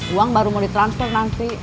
uang baru mau ditransfer nanti